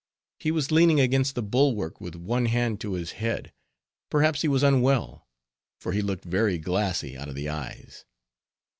He was leaning against the bulwark, with one hand to his head; perhaps he was unwell, for he looked very glassy out of the eyes.